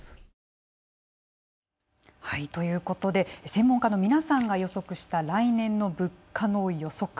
専門家の皆さんが予測した来年の物価の予測。